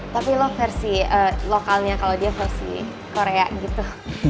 tapi lo versi lokalnya kalau dia versi korea gitu